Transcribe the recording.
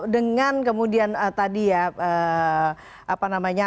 dengan kemudian tadi ya